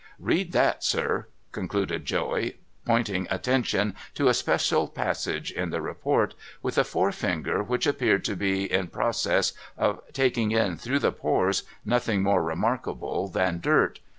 Read that, sir,' concluded Joey, pointing attention to a special passage in the report, with a forefinger which appeared to be in process of taking in through the pores nothing more re markable than dirt.